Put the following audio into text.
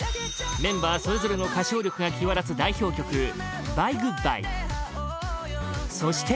メンバーそれぞれの歌唱力が際立つ代表曲「Ｂｙｅ‐Ｇｏｏｄ‐Ｂｙｅ」